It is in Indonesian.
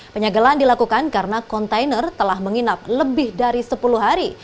penyegelan dilakukan karena kontainer telah menginap lebih dari sepuluh hari